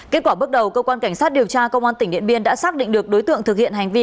kết quả bước đầu công an tỉnh điện biên đã xác định được đối tượng thực hiện hành vi